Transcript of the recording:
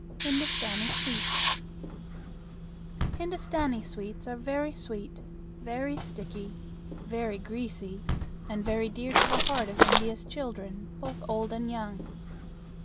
Hindustani Sweets. Hindustani sweets are very sweet, very sticky, very greasy, and very dear to the heart of India's children, both old and young.